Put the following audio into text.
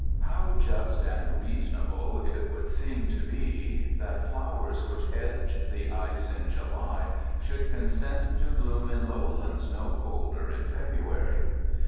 How just and reasonable it would seem to be that flowers which edge the ice in July should consent to bloom in lowlands no colder in February!